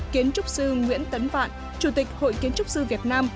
kiến trúc sư nguyễn tấn vạn chủ tịch hội kiến trúc sư việt nam